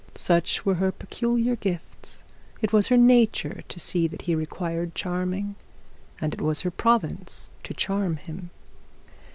Such were her peculiar gifts. It was her nature to see that he required charming, and it was her province to charm him.